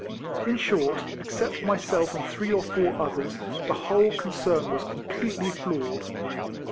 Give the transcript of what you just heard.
In short, except myself and three or four others, the whole concern was completely floored.